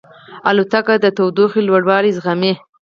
الوتکه د تودوخې لوړوالی زغمي.